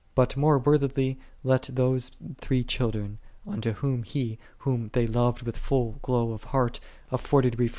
But more worthily let those Three Children, unto whom He, Whom they oved with full glow of heart, afforded refresh Ps.